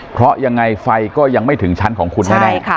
เพราะยังไงไฟก็ยังไม่ถึงชั้นของคุณแน่